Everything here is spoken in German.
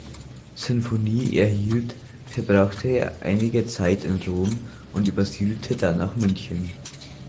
Sinfonie" erhielt, verbrachte er einige Zeit in Rom und übersiedelte dann nach München.